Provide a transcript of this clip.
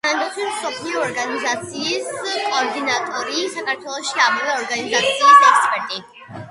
ჯანდაცვის მსოფლიო ორგანიზაციის კოორდინატორი საქართველოში, ამავე ორგანიზაციის ექსპერტი.